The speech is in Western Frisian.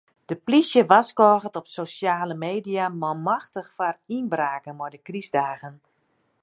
De plysje warskôget op sosjale media manmachtich foar ynbraken mei de krystdagen.